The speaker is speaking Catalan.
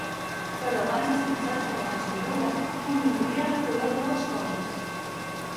Però abans d’esquinçar-se les vestidures convindria recordar dues coses.